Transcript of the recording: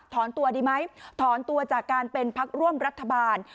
ตัวดีไหมถอนตัวจากการเป็นพักร่วมรัฐบาล